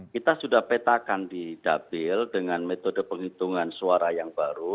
kita sudah petakan di dapil dengan metode penghitungan suara yang baru